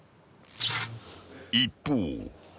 ［一方］